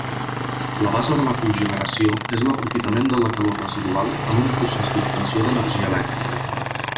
La base de la cogeneració és l'aprofitament de la calor residual en un procés d'obtenció d'energia elèctrica.